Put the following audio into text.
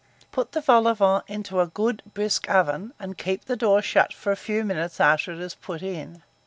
Put the vol au vent into a good brisk oven, and keep the door shut for a few minutes after it is put in.